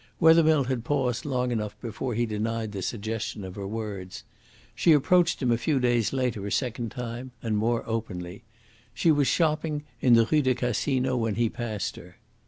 Wethermill had paused long enough before he denied the suggestion of her words. She approached him a few days later a second time and more openly. She was shopping in the Rue du Casino when he passed her.